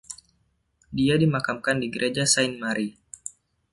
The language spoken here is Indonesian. Dia dimakamkan di Gereja Saint Marry.